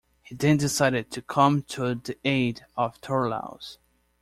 He then decided to come to the aid of Toulouse.